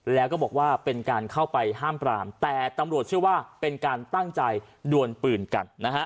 แล้วก็บอกว่าเป็นการเข้าไปห้ามปรามแต่ตำรวจเชื่อว่าเป็นการตั้งใจดวนปืนกันนะฮะ